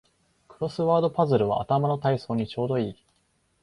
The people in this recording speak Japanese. クロスワードパズルは頭の体操にちょうどいい